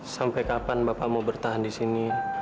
sampai kapan bapak mau bertahan di sini